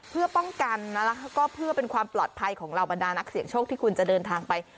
เพื่อป้องกันแล้วก็เพื่อเป็นความปลอดภัยของเหล่าบรรดานักเสี่ยงโชคที่คุณจะเดินทางไป